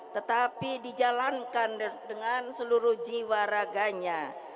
tetapi dijalankan dengan seluruh jiwa raganya